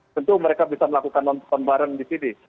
tentu mereka bisa melakukan non fan barang di sini